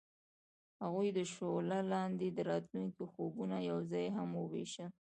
هغوی د شعله لاندې د راتلونکي خوبونه یوځای هم وویشل.